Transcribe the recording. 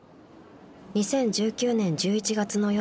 ［２０１９年１１月の夜］